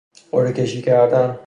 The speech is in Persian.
قرعه کشی کردن